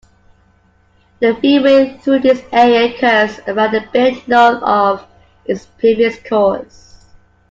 The freeway through this area curves around a bit north of its previous course.